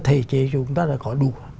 thể chế chúng ta đã có đủ